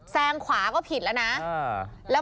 ขวาก็ผิดแล้วนะ